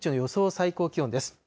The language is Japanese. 最高気温です。